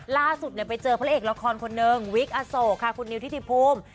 ล่าสุดไปเจอพระเอกละครคนนึงวิกอโศกค่ะคุณนิวทิติภูมิ